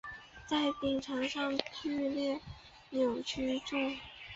在病床上剧烈扭曲著